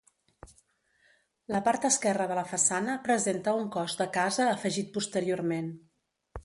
La part esquerra de la façana presenta un cos de casa afegit posteriorment.